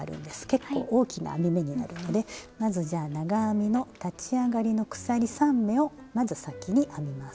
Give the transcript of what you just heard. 結構大きな編み目になるのでまずじゃあ長編みの立ち上がりの鎖３目をまず先に編みます。